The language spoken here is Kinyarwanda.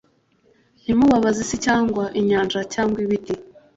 “Ntimubabaze isi cyangwa inyanja cyangwa ibiti